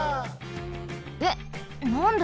えっなんで？